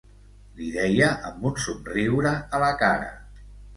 Li deia amb un somriure a la cara.